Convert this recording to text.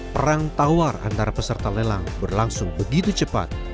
perang tawar antara peserta lelang berlangsung begitu cepat